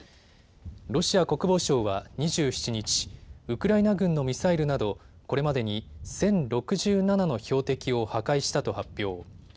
ロシア国防省は２７日、ウクライナ軍のミサイルなどこれまでに１０６７の標的を破壊したと発表。